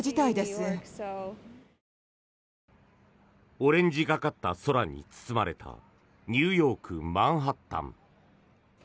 オレンジがかった空に包まれたニューヨーク・マンハッタン。